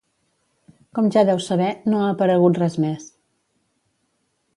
Com ja deu saber, no ha aparegut res més.